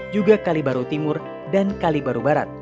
juga kalibaru timur dan kalibaru barat